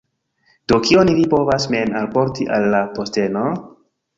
Do kion vi povas mem alporti al la posteno?